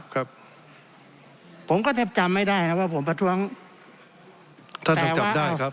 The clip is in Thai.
ครับผมก็แทบจำไม่ได้ครับว่าผมประท้วงท่านก็จับได้ครับ